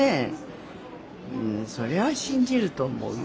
それは信じると思うよ。